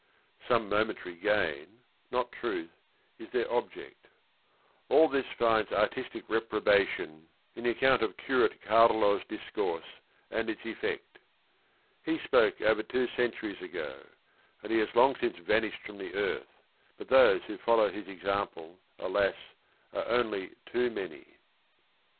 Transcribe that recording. Some mo mentary gain, not truth, is their object. All this finds artistic reprobation in the account of curate 224 THE RING AND THE BOOK Carlo's discourse and its effect. He spoke over two centuries ago, and he has long since vanished from the earth, but those who follow his example, alas, are only too many.